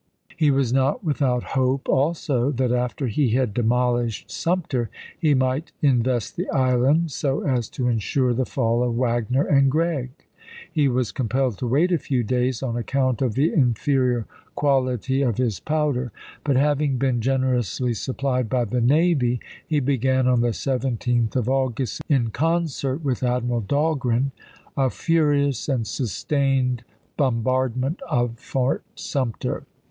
He was not without hope, also, that after he had demolished Sumter he might invest the island so as to insure the fall of Wagner and Gregg. He was compelled to wait a few days on account of the inferior quality of his powder, but having been generously supplied by the navy he began on the 17th of August, in concert with Admiral Dahlgren, a furious and sustained bombardment of Fort Sum ter.